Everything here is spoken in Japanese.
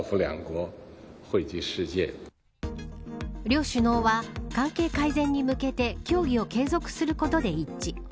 両首脳は、関係改善に向けて協議を継続することで一致。